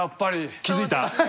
気付いた？